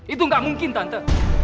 itu gak mungkin tante